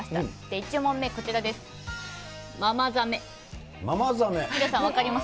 １問目、こちらです。